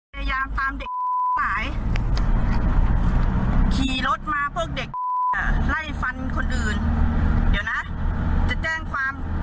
ทานมาเห็นค่ะ